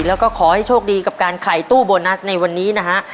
แล้วก็ขอให้โชคดีกับการขายตู้โบนัสในวันนี้นะฮะ